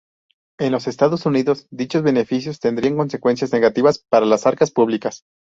En los Estados Unidos, dichos beneficios tendrían consecuencias negativas para las arcas públicas.